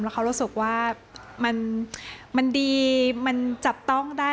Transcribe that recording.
แล้วเขารู้สึกว่ามันดีมันจับต้องได้